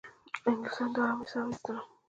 انګلیسیانو د آرامۍ ساه وایستله.